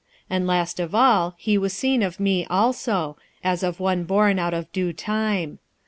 46:015:008 And last of all he was seen of me also, as of one born out of due time.